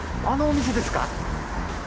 あのお店ですか？